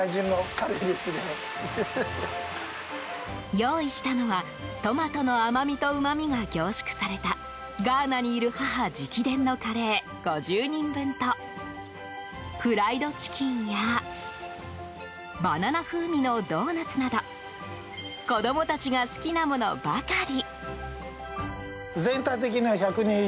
用意したのはトマトの甘みとうまみが凝縮されたガーナにいる母直伝のカレー５０人分とフライドチキンやバナナ風味のドーナツなど子供たちが好きなものばかり。